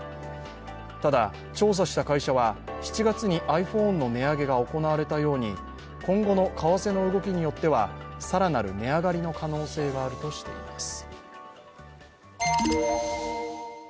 ただ、調査した会社は、７月にｉＰｈｏｎｅの値上げが行われたように今後の為替の動きによってはさらなる値上がりの可能性があるとしています。